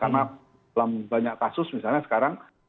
karena dalam banyak kasus misalnya sekarang